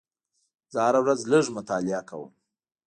زه هره ورځ لږ مطالعه کوم.